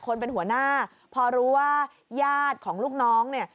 หัวหน้าพอรู้ว่าญาติของลูกน้องเนี่ย